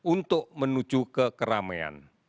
untuk menuju ke keramaian